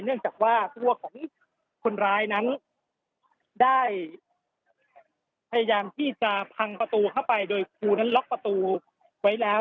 เนื่องจากว่าตัวของคนร้ายนั้นได้พยายามที่จะพังประตูเข้าไปโดยครูนั้นล็อกประตูไว้แล้ว